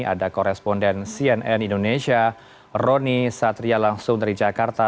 ada koresponden cnn indonesia roni satria langsung dari jakarta